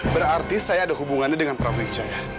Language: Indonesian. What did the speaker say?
berarti saya ada hubungannya dengan prabu wijaya